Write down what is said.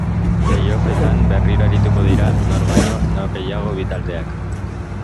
Playoffetan berriro arituko dira nor baino nor gehiago bi taldeak.